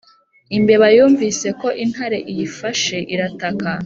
imbeba yumvise ko intare iyifashe irataka